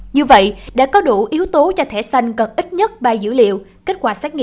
như vậy đã có đủ yếu tố cho thẻ xanh cần ít nhất ba dữ liệu